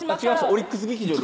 オリックス劇場でした